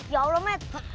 ya allah met